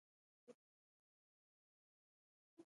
سړى شهيد شو.